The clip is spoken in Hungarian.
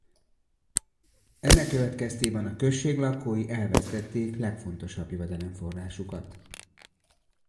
Ennek következtében a község lakói elvesztették legfontosabb jövedelemforrásukat.